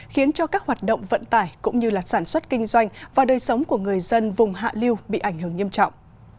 khiến cho các hoạt động vận tải cũng như sản xuất kinh doanh và đời sống của người dân vùng hạ liêu bị ảnh hưởng nghiêm trọng